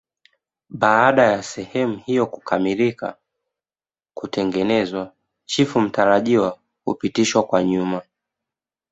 Baada ya sehemu hiyo kukamilika kutengenezwa chifu mtarajiwa hupitishwa kwa nyuma